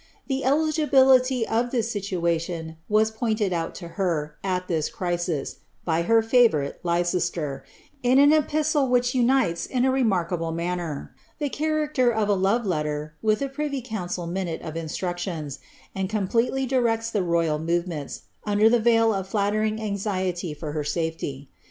The eligibility of ibis situa tion was pointed out to her, at this crisis, by her favourite, Leicester, In ao epistle, which unites, in a remarkable manner, the character of a love letter with a privy council minute of instructions, and completely directs the royal movements, under the veil of flattering anxiety for her safety.